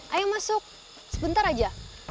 ayo masuk sebentar aja